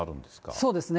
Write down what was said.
そうですね。